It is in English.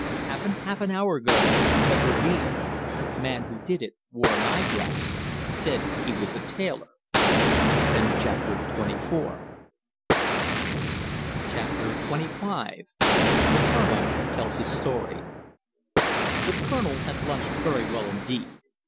Happened half hour ago at the Red Ravine. Man who did it wore an eye glass said he was a tailor." CHAPTER XXV. THE COLONEL TELLS HIS STORY The Colonel had lunched very well indeed.